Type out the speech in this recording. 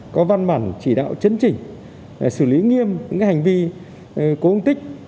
có văn bản chỉ đạo chấn chỉnh xử lý nghiêm những hành vi cố ung tích